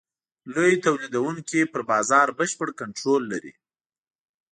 لوی تولیدوونکي پر بازار بشپړ کنټرول لري.